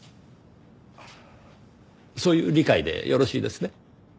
そういう理解でよろしいですね？